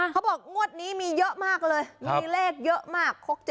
เขาบอกงวดนี้มีเยอะมากเลยมีเลขเยอะมาก